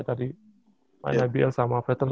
dari main nba sama veteran